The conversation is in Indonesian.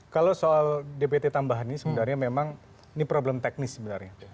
kalau soal dpt tambahan ini sebenarnya memang ini problem teknis sebenarnya